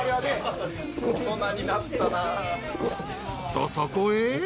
［とそこへ］